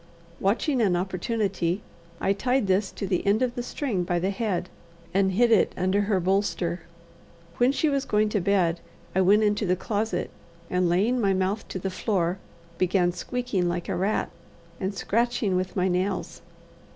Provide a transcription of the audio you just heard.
Watching an opportunity, I tied this to the end of the string by the head, and hid it under her bolster. When she was going to bed, I went into the closet, and, laying my mouth to the floor, began squeaking like a rat, and scratching with my nails.